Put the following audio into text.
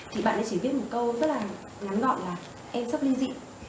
thì bạn ấy chỉ viết một câu rất là ngắn gọn là em sắp linh dị